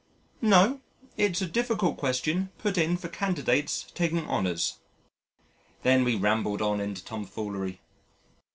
"No: it's a difficult question put in for candidates taking honours." Then we rambled on into Tomfoolery.